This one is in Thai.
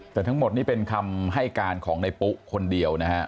แต่ทั้งหมดนี่เป็นคำให้การของในปุ๊คนเดียวนะฮะ